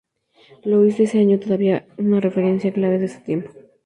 Louis de ese año y todavía una referencia clave de su tiempo.